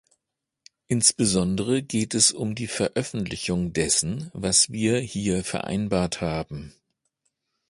Insbesondere geht es um die Veröffentlichung dessen, was wir hier vereinbart haben.